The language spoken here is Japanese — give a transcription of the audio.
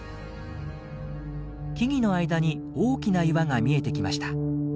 木々の間に大きな岩が見えてきました。